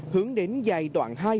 hướng đến giai đoạn hai